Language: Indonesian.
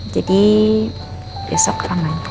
jadi besok aman